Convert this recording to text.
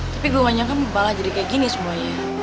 tapi gua ga nyangka malah jadi kayak gini semuanya